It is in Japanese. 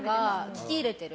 聞き入れてる。